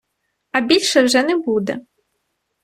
а більше вже не буде